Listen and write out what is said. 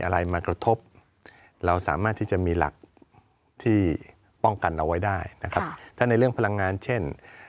เราสามารถที่จะมีหลักที่ป้องกันเราไว้ได้ถ้าในเรื่องพลังงานเช่น